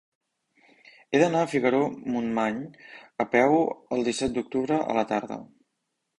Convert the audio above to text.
He d'anar a Figaró-Montmany a peu el disset d'octubre a la tarda.